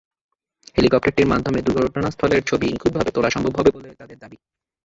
হেলিকপ্টারটির মাধ্যমে দুর্ঘটনাস্থলের ছবি নিখুঁতভাবে তোলা সম্ভব হবে বলে তাদের দাবি।